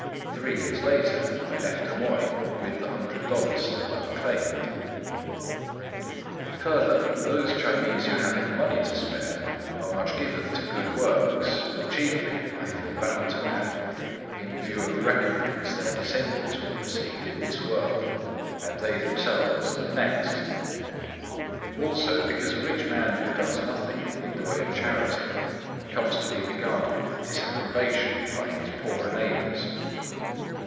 Three years later I left Amoy, with the hundred dollars still unclaimed. Further, those Chinese who have any money to spare are much given to good works, chiefly, I feel bound to add, in view of the recompense their descendants will receive in this world and they themselves in the next; also, because a rich man who does nothing in the way of charity comes to be regarded with disapprobation by his poorer neighbours.